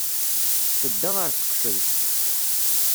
Tedda ɣer teqcelt.